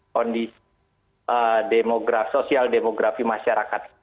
kondisi demograf sosial demografi masyarakat